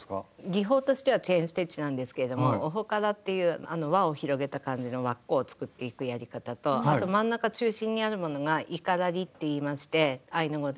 技法としてはチェーン・ステッチなんですけども「オホカラ」っていう輪を広げた感じの輪っかを作っていくやり方とあと真ん中中心にあるものが「イカラリ」っていいましてアイヌ語では。